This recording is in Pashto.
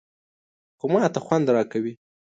_خو ماته خوند راکوي.